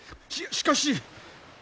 ししかし。